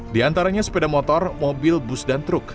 di antaranya sepeda motor mobil bus dan truk